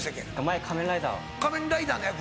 前『仮面ライダー』を。